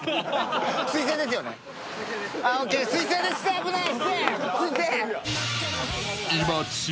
水性です、危ない！